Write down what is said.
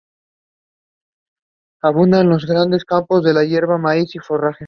Abundan los grandes campos de hierba, maíz y forraje.